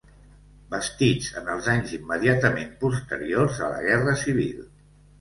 Bastits en els anys immediatament posteriors a la guerra civil.